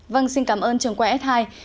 vâng xin cảm ơn trường quay s hai